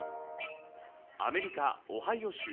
アメリカ・オハイオ州。